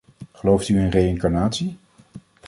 Gelooft u in reïncarnatie?